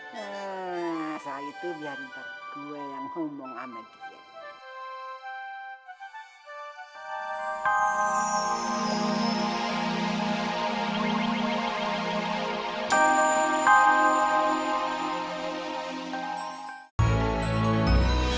nah saat itu dia ntar gue yang ngomong sama dia